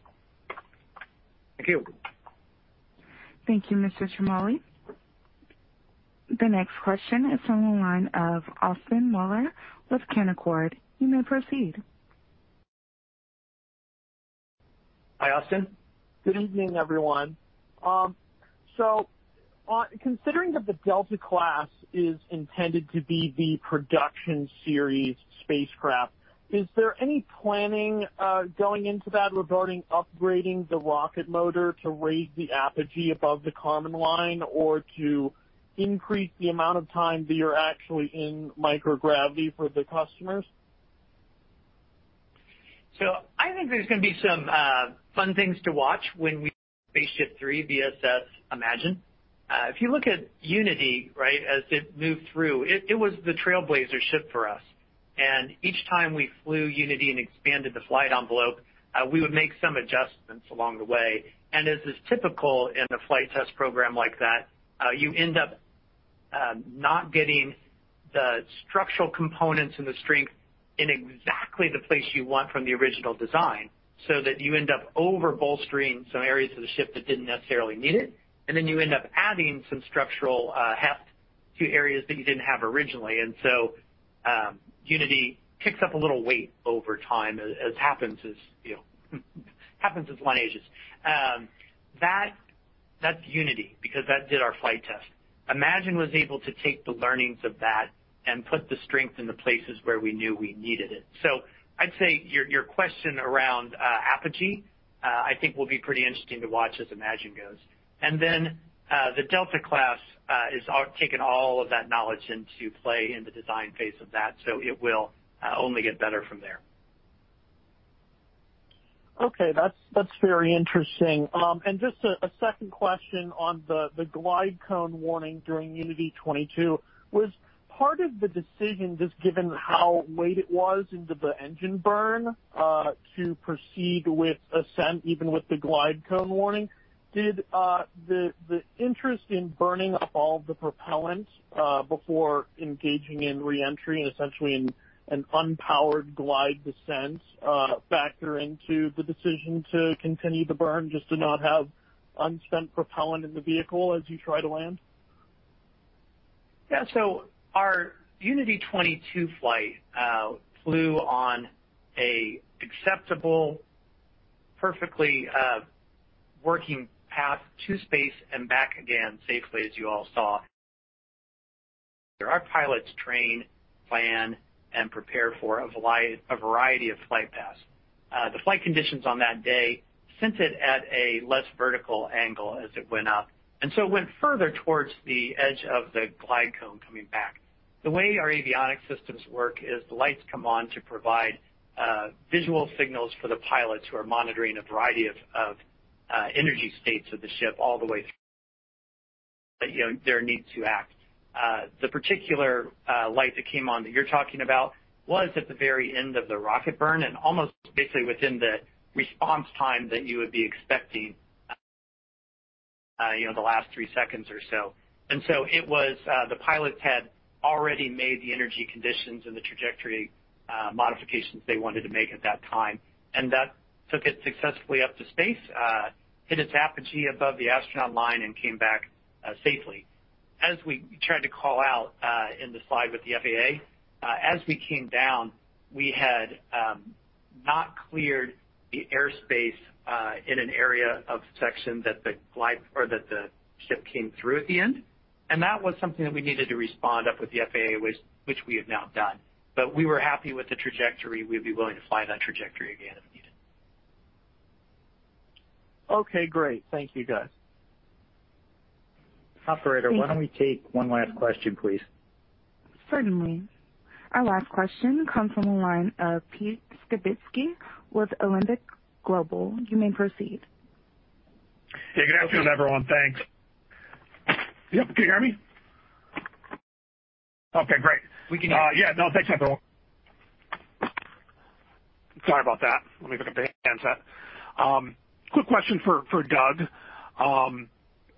Thank you. Thank you, Mr. Ciarmoli. The next question is from the line of Austin Moeller with Canaccord. You may proceed. Hi, Austin. Good evening, everyone. Considering that the Delta class is intended to be the production series spacecraft, is there any planning going into that regarding upgrading the rocket motor to raise the apogee above the Kármán line or to increase the amount of time that you're actually in microgravity for the customers? I think there's gonna be some fun things to watch when we SpaceShip III VSS Imagine. If you look at Unity, right, as it moved through, it was the trailblazer ship for us. Each time we flew Unity and expanded the flight envelope, we would make some adjustments along the way. As is typical in a flight test program like that, you end up not getting the structural components and the strength in exactly the place you want from the original design, so that you end up over bolstering some areas of the ship that didn't necessarily need it, and then you end up adding some structural heft to areas that you didn't have originally. Unity picks up a little weight over time, as happens as, you know, happens as one ages. That's Unity, because that did our flight test. Imagine was able to take the learnings of that and put the strength in the places where we knew we needed it. I'd say your question around apogee, I think will be pretty interesting to watch as Imagine goes. The Delta class is taken all of that knowledge into play in the design phase of that, so it will only get better from there. Okay. That's very interesting. Just a second question on the glide cone warning during Unity 22. Was part of the decision, just given how late it was into the engine burn, to proceed with ascent even with the glide cone warning? Did the interest in burning up all the propellant before engaging in reentry and essentially an unpowered glide descent factor into the decision to continue the burn just to not have unspent propellant in the vehicle as you try to land? Our Unity 22 flight flew on a acceptable, perfectly working path to space and back again safely, as you all saw. There are pilots train, plan, and prepare for a variety of flight paths. The flight conditions on that day sent it at a less vertical angle as it went up, it went further towards the edge of the glide cone coming back. The way our avionics systems work is the lights come on to provide visual signals for the pilots who are monitoring a variety of energy states of the ship all the way through. You know, there needs to act. The particular light that came on that you're talking about was at the very end of the rocket burn and almost basically within the response time that you would be expecting, you know, the last 3 seconds or so. It was, the pilots had already made the energy conditions and the trajectory modifications they wanted to make at that time. That took it successfully up to space, hit its apogee above the astronaut line and came back safely. As we tried to call out in the slide with the FAA, as we came down, we had not cleared the airspace in an area of section that the glide or that the ship came through at the end. That was something that we needed to respond up with the FAA, which we have now done. We were happy with the trajectory. We'd be willing to fly that trajectory again if needed. Okay, great. Thank you, guys. Operator, why don't we take one last question, please? Certainly. Our last question comes from the line of Pete Skibitski with Alembic Global. You may proceed. Good afternoon, everyone. Thanks. Yep, can you hear me? Okay, great. We can hear you. Yeah. No, thanks, everyone. Sorry about that. Let me pick up the handset. Quick question for Doug.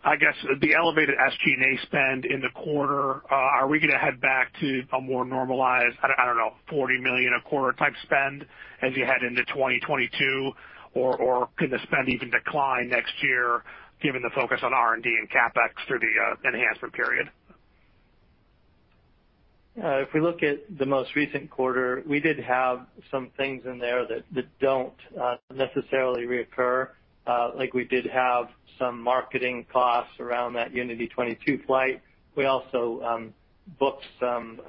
I guess the elevated SG&A spend in the quarter, are we gonna head back to a more normalized, I don't know, $40 million a quarter type spend as you head into 2022? Can the spend even decline next year given the focus on R&D and CapEx through the enhancement period? If we look at the most recent quarter, we did have some things in there that don't necessarily reoccur. Like we did have some marketing costs around that Unity 22 flight. We also booked some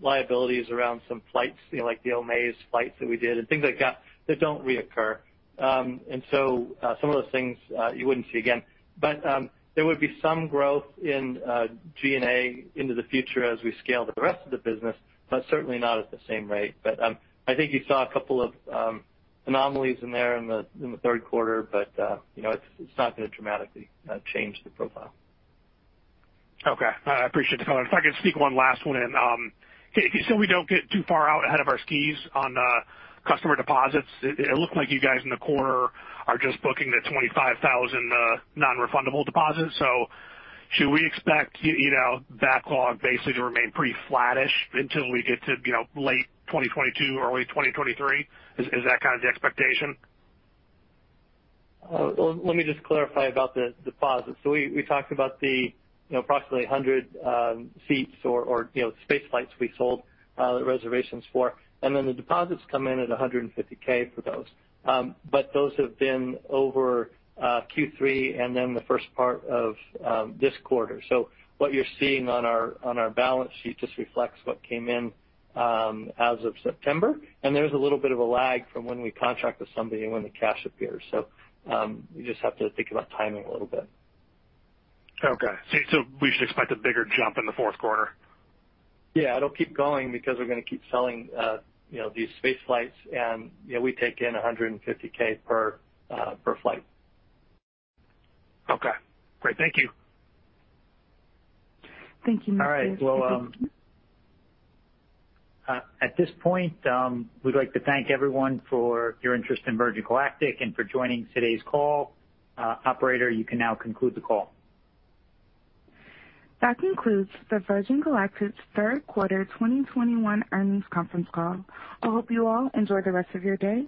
liabilities around some flights, you know, like the Omaze flights that we did and things like that don't reoccur. Some of those things you wouldn't see again. There would be some growth in G&A into the future as we scale the rest of the business, but certainly not at the same rate. I think you saw a couple of anomalies in there in the, in the Q3, but you know, it's not gonna dramatically change the profile. Okay. I appreciate the color. If I could sneak one last one in. We don't get too far out ahead of our skis on customer deposits, it looks like you guys in the quarter are just booking the $25,000 non-refundable deposits. Should we expect, you know, backlog basically to remain pretty flattish until we get to, you know, late 2022, early 2023? Is that kind of the expectation? Let me just clarify about the deposits. We talked about the, you know, approximately 100 seats or, you know, space flights we sold reservations for, and then the deposits come in at $150K for those. Those have been over Q3 and then the first part of this quarter. What you're seeing on our balance sheet just reflects what came in as of September. There's a little bit of a lag from when we contract with somebody and when the cash appears. You just have to think about timing a little bit. Okay. We should expect a bigger jump in the Q4. Yeah, it'll keep going because we're gonna keep selling, you know, these space flights and, you know, we take in $150 thousand per per flight. Okay, great. Thank you. Thank you. Well, at this point, we'd like to thank everyone for your interest in Virgin Galactic and for joining today's call. Operator, you can now conclude the call. That concludes the Virgin Galactic's Q3 2021 earnings Conference Call. I hope you all enjoy the rest of your day.